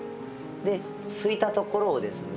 ですいたところをですね